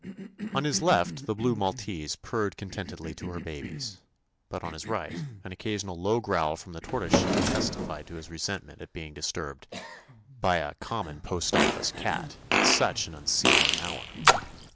On his left the blue Maltese purred contentedly to her babies, but on his right an occasional low growl from the Tortoise shell testified to his re sentment at being disturbed by "a common postoffice cat" at such an un seemly hour.